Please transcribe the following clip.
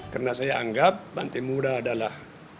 karena saya anggap banteng muda adalah